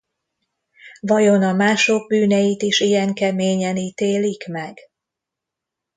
Vajon a mások bűneit is ilyen keményen ítélik meg?